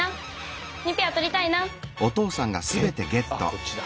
こっちだ。